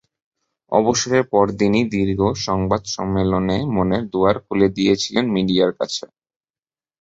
অবসরের পরদিনই দীর্ঘ সংবাদ সম্মেলনে মনের দুয়ার খুলে দিয়েছিলেন মিডিয়ার কাছে।